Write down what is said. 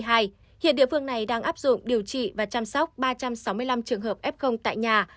hiện địa phương này đang áp dụng điều trị và chăm sóc ba trăm sáu mươi năm trường hợp f tại nhà